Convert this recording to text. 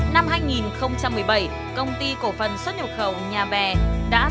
năm hai nghìn một mươi bảy công ty cổ phần xuất hiệu khẩu nhà bè đã xuất hiện